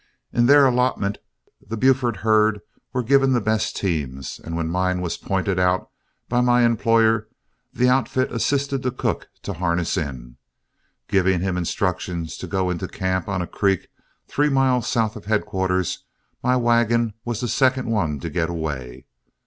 In their allotment the Buford herds were given the best teams, and when mine was pointed out by my employer, the outfit assisted the cook to harness in. Giving him instructions to go into camp on a creek three miles south of headquarters, my wagon was the second one to get away.